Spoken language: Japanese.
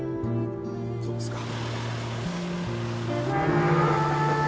そうですか。